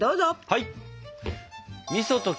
はい！